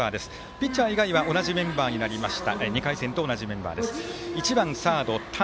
ピッチャー以外は２回戦と同じメンバーになりました。